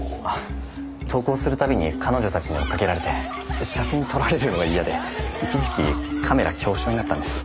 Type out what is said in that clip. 登校する度に彼女たちに追っかけられて写真撮られるのが嫌で一時期カメラ恐怖症になったんです。